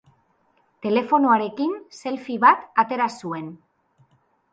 Telefonoarekin selfie bat atera zuen.